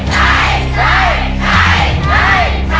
ใช้